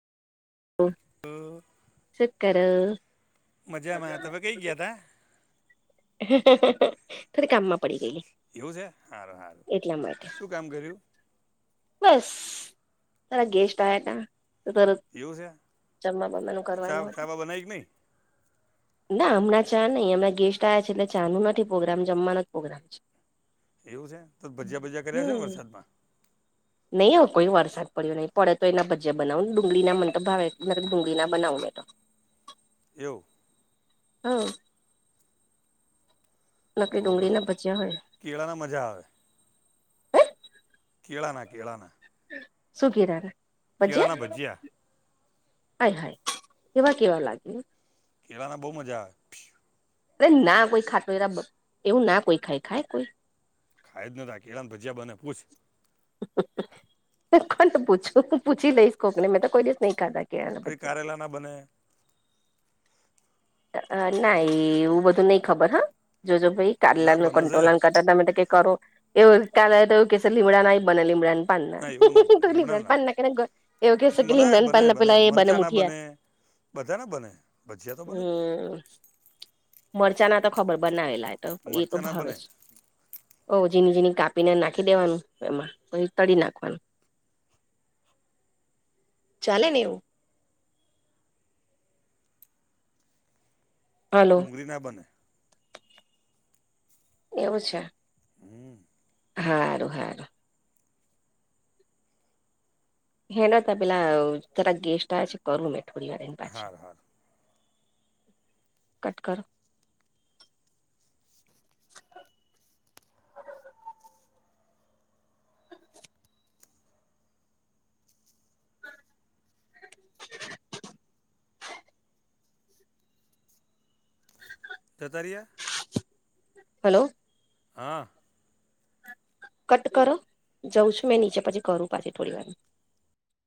ઓ તો શકર મજામાં તમે કઈ ગયા, હતા થોડી કામમાં પડી ગયલી એવું છે સારું સારું એટલા માટે શું કામ કર્યું બસ તારા ગેસ્ટ આવ ત તો તરત એવું છે જમવા બવાનું કરવાન ચા ચા બા બનાવી કે નહીં ના હમણાં ચા નહી, અરા ગેસ્ટ છે એટલેાનું નથી પ્રગ્રામ જમવાના જ પ્રોગ્રામ છે. એવું છે, તો ભજીયા ભજયા કર્યા છે ને વરસાદમાં નહીં હ કોઈ વરસાદ પડ્યો નહી, પડે તો એના ભજ્યા બનાવ ડુંગળી ના મ ભાવે ડુંગળીના બનાવ મે તો એવ હ નકરી તો ડુંગળી ભલે ના બચ્યા હોય. કેળાના મજા આવે કેળના કેળાના. સુું કીરાાર કેળાના ભજયા હાય, હાય કેવા કેવા લાગે કેલામાં બહુ મજા આવે અરે ના કોઈ ખાતો એરા એવું ના કોઈ ખાય ખાય કોઈ ખાય જ નતા કેળને ભજીયા બને પૂછ કોણ પૂછું હું પૂછી લઈશ કોકને મેં તો કોઈ દિવસ નહી, કરાતા કઈ કારેલા ના બને ના એ એવું બધું નહી, ખબર હ જો જો ભાઈ ના કલાનું બને છે કંટ્રોલ કર તમે કરો એવું કા તો એવું કે લીમડા નાઈ બને લીમડા ના એવું ના બને લીમડા ના બને પાનના એવ કેહે મને લીમડાન પાનના પેલા એ બને મુઠીયા. બધાને બને ભજીયા તો બને જ ને. મરચાં ના તો ખબર બનાવેલા તો એ તો મરચાં ના ભાવે બને છે. ઓ ઝીનીની કાપીને નાખી દેવાનું એમાં પછી તળી નાખવાનું ચાલે નેવુ હલો ડુંગળી ના બને એવું છે. હમ્મ. હાારું હારું. હેના ત પેલા તરા ગેસ્ટ આવ છે કરું મેં થોડી વાર એ પાછી. હાર હાર કટ કરો. [inaudible] દતરિયા. હલો. હા. કટ કરો. જઉં છું મેં નીચે પછી કરું પાછી થોડી વાર.